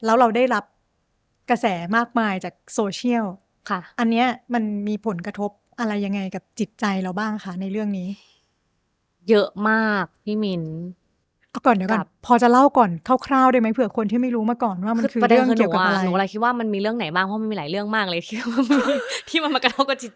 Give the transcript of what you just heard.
แล้วเราได้รับกระแสมากมายจากโซเชียลค่ะอันนี้มันมีผลกระทบอะไรยังไงกับจิตใจเราบ้างค่ะในเรื่องนี้